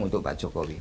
untuk pak jokowi